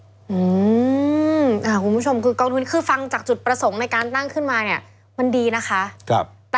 คุณผู้ชมคือกองทุนคือฟังจากจุดประสงค์ในการตั้งขึ้นมาเนี่ยมันดีนะคะ